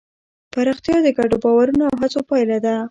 پراختیا د ګډو باورونو او هڅو پایله ده.